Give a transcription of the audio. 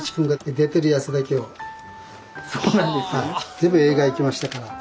全部映画行きましたから。